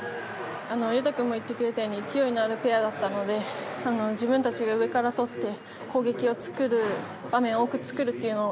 勇大君も言ってくれたように勢いのあるペアだったので自分たちが上から取って攻撃を作る場面を多く作るのを